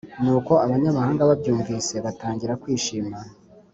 Nuko abanyamahanga babyumvise batangira kwishima